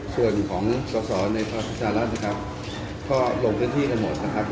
ส่วนของต่อในภาษาสถานรัฐนะครับก็ลงที่ที่กันหมดนะครับ